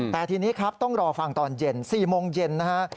แต่ทีนี้ครับต้องรอฟังตอนเย็น๔โมงเย็นนะฮะ